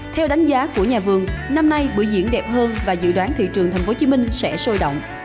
theo đánh giá của nhà vườn năm nay bữa diễn đẹp hơn và dự đoán thị trường tp hcm sẽ sôi động